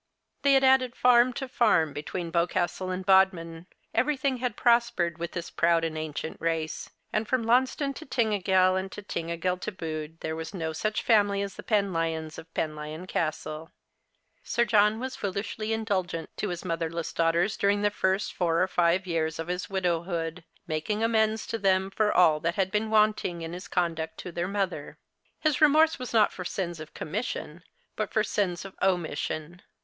They had added farm to farm between Boscastle and Podmin. Every thing had prospered with this proud and ancient race ; and from Launceston to Tintagel and Tintagel to Bude there was no such family as the Penlyons of Penlyon Castle. 46 The Christmas Hirelings. Sir John was foolishly indulgent to his motherless daughters during the first four or five years of his widow hood, making amends to them for all that had been wanting in his conduct to their mother. His remorse was not for sins of commission, but for sins of omission.